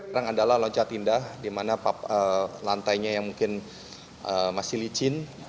perang adalah loncat indah di mana lantainya yang mungkin masih licin